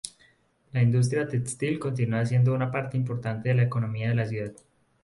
La industria textil continúa siendo una parte importante de la economía de la ciudad.